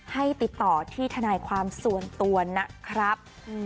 ให้ติดต่อที่ทนายความส่วนตัวนะครับ